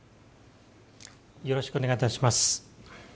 よろしくお願いします。